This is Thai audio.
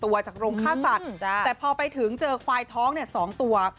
ตัวจากโรงฆ่าสัตว์แต่พอไปถึงเจอควายท้อง๒ตัว